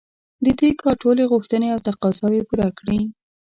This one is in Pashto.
د دې کار ټولې غوښتنې او تقاضاوې پوره کړي.